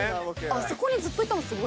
あそこにずっといたのすごい。